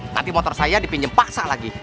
nanti motor saya dipinjam paksa lagi